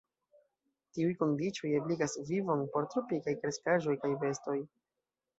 Tiuj kondiĉoj ebligas vivon por tropikaj kreskaĵoj kaj bestoj.